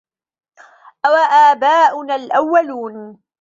أَوَآباؤُنَا الأَوَّلونَ